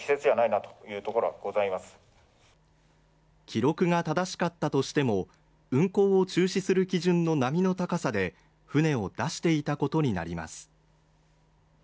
記録が正しかったとしても運航を中止する基準の波の高さで船を出していたことになります